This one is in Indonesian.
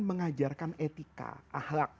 mengajarkan etika ahlak